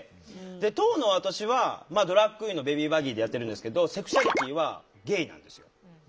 当の私はドラァグクイーンのベビー・バギーでやってるんですけどセクシュアリティーはゲイなんですよ。